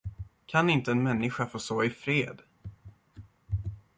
Kan inte en människa få sova i fred?